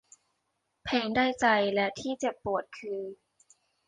แพงได้ใจและที่เจ็บปวดคือ